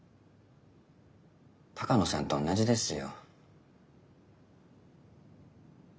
鷹野さんと同じですよ。